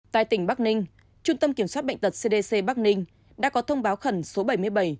tại tỉnh bắc ninh trung tâm kiểm soát bệnh tật cdc bắc ninh đã có thông báo khẩn số bảy mươi bảy